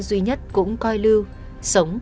duy nhất cũng coi lưu sống